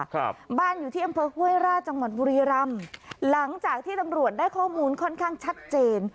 ครับบ้านอยู่ที่อำเภอห้วยราชจังหวัดบุรีรำหลังจากที่ตำรวจได้ข้อมูลค่อนข้างชัดเจน